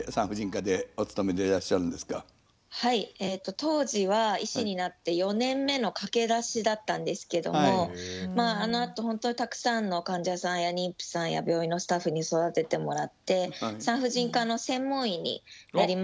当時は医師になって４年目の駆け出しだったんですけどもまああのあとほんとにたくさんの患者さんや妊婦さんや病院のスタッフに育ててもらって産婦人科の専門医になりました。